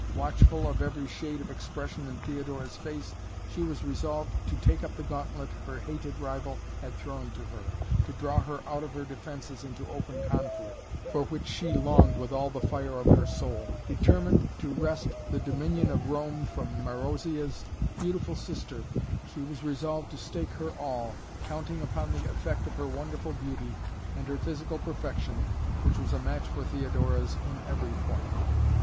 Watchful of every shade of expression in Theodora's face, she was resolved to take up the gauntlet her hated rival had thrown to her, to draw her out of her defences into open conflict, for which she longed with all the fire of her soul. Determined to wrest the dominion of Rome from Marozia's beautiful sister, she was resolved to stake her all, counting upon the effect of her wonderful beauty and her physical perfection, which was a match for Theodora's in every point.